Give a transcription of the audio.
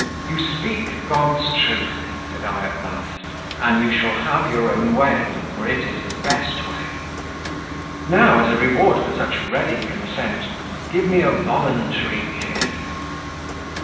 "You speak God's truth," said I at last, "and you shall have your own way, for it is the best way. Now, as a reward for such ready consent, give me a voluntary kiss."